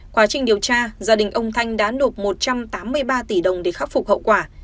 quá trình điều tra gia đình ông thanh đã nộp một trăm tám mươi ba tỷ đồng để khắc phục hậu quả